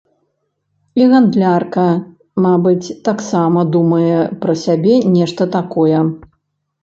І гандлярка, мабыць, таксама думае пра сябе нешта такое.